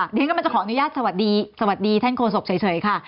เรียกกำลังจะขออนุญาตสวัสดีท่านโคศกเฉยค่ะ